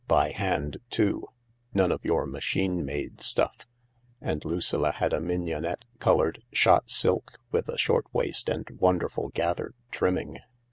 "By hand, too, none of your machine made stuff" ; and Lucilla had a mignonette coloured shot silk with a short waist and wonderful gathered trimming.